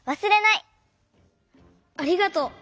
ありがとう！